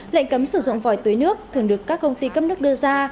lệnh cấm sử dụng vòi tưới nước thường được các công ty cấp nước đưa ra